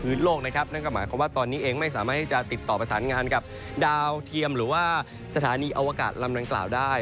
นั่นก็หมายความว่าตอนนี้เองไม่สามารถที่จะติดต่อประสานงานกับดาวเทียมหรือว่าสถานีอวกาศลำดังกล่าวได้